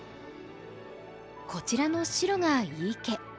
こちらの白が井伊家。